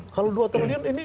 kalau dua triliun ini